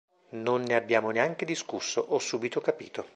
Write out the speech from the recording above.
Non ne abbiamo neanche discusso, ho subito capito.